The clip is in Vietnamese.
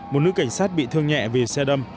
một nữ cảnh sát bị thương nhẹ vì xe đâm